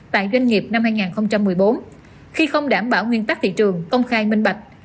tại doanh nghiệp năm hai nghìn một mươi bốn khi không đảm bảo nguyên tắc thị trường công khai minh bạch